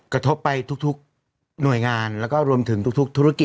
กระทบไปทุก